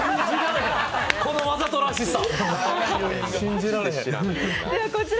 このわざとらしさ。